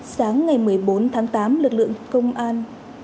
sáng ngày một mươi bốn tháng tám lực lượng công an